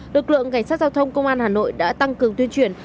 lực lượng cảnh sát giao thông công an hà nội đã tăng cường tuyên truyền